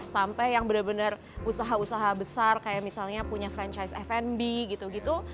sampai yang benar benar usaha usaha besar kayak misalnya punya franchise fnb gitu gitu